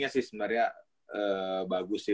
nya sih sebenernya bagus sih